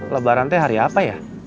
lebaran teh hari apa ya